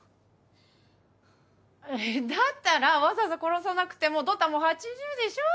だったらわざわざ殺さなくてもドンタンもう８０でしょ？